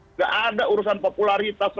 nggak ada urusan popularitas